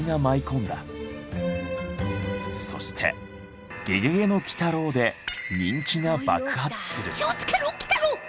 そして「ゲゲゲの鬼太郎」で人気が爆発する。